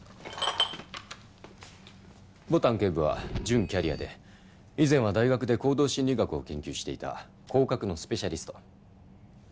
牡丹警部は準キャリアで以前は大学で行動心理学を研究していた行確のスペシャリスト。